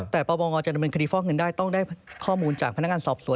แต่ปปงจะดำเนินคดีฟอกเงินได้ต้องได้ข้อมูลจากพนักงานสอบสวน